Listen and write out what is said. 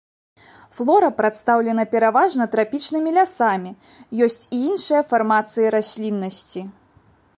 Флора прадстаўлена пераважна трапічнымі лясамі, ёсць і іншыя фармацыі расліннасці.